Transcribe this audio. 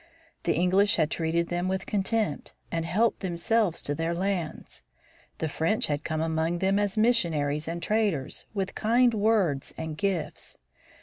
The English had treated them with contempt and helped themselves to their lands. The French had come among them as missionaries and traders, with kind words and gifts.